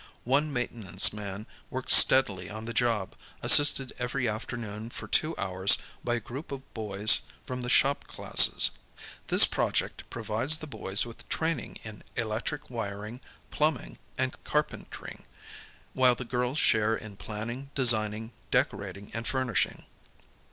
One maintenance man works steadily on the job assisted every afternoon for two hours by a group of boys from the shop classes. This project provides the boys with training in electric wiring, plumb ing, and carpentering, w'hile the girls share in planning, designing, decorating and furnishing.